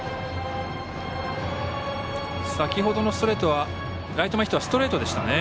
先ほどのライト前ヒットはストレートでしたね。